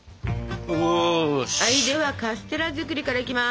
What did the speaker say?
ではカステラ作りからいきます。